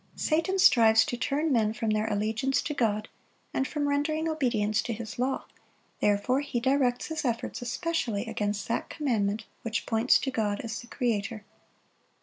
Satan strives to turn men from their allegiance to God, and from rendering obedience to His law; therefore he directs his efforts especially against that commandment which points to God as the Creator.